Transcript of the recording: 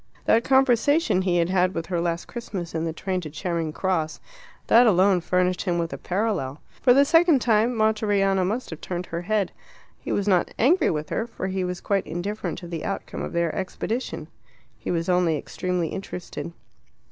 That conversation he had had with her last Christmas in the train to Charing Cross that alone furnished him with a parallel. For the second time, Monteriano must have turned her head. He was not angry with her, for he was quite indifferent to the outcome of their expedition. He was only extremely interested.